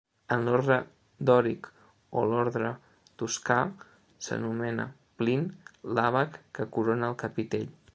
En l'ordre dòric o l'ordre toscà, s'anomena plint l'àbac que corona el capitell.